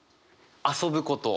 遊ぶこと。